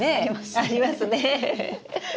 ありますねえ。